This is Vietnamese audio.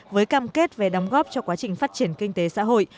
với cam kết về đóng góp cho quá trình phát triển kinh tế xã hội